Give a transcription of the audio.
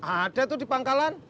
ada tuh di pangkalan